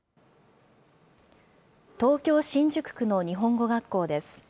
東京・新宿区の日本語学校です。